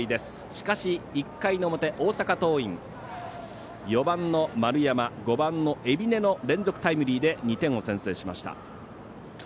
しかし、１回の表大阪桐蔭、４番の丸山５番の海老根の連続タイムリーで２点を先制しました。